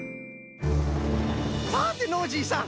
さてノージーさん！